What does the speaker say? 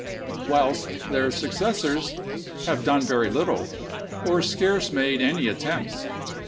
whilst their successors have done very little, or scarce made any attempts.